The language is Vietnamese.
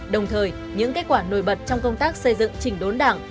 đồng thời những kết quả nổi bật trong công tác xây dựng chỉnh đốn đảng